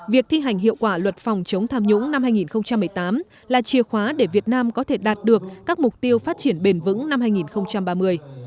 việc thi hành hiệu quả luật phòng chống tham nhũng năm hai nghìn một mươi tám là chìa khóa để việt nam có thể đạt được các mục tiêu phát triển bền vững năm hai nghìn ba mươi